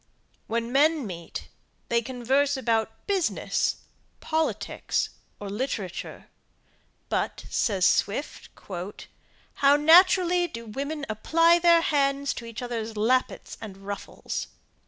When men meet they converse about business, politics, or literature; but, says Swift, "how naturally do women apply their hands to each others lappets and ruffles."